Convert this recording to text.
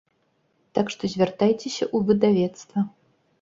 Так што звяртайцеся ў выдавецтва.